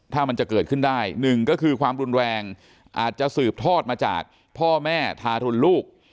ถ้ามันจะเกิดขึ้นได้หนึ่งก็คือความรุนแรงอาจจะสืบทอดมาจากพ่อแม่ทารุณลูก